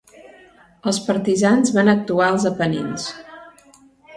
Els partisans van actuar als Apenins.